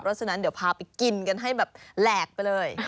เพราะฉะนั้นเดี๋ยวพาไปกินกันให้แบบแหลกไปเลย